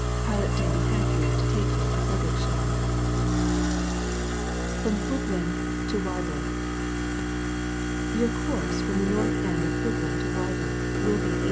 Pilots may be had here to take you to Erederickshamn. r&OM HOOOUUrB to WTBU&0H« — ^Your course from the nortih end of Hoogland to Wyburg will be E.